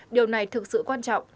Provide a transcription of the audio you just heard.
điều này thực sự quan trọng